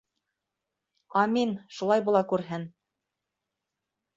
Амин, шулай була күрһен.